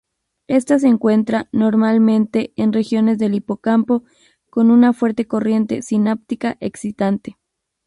Esta se encuentra, normalmente, en regiones del hipocampo con una fuerte corriente sináptica excitante.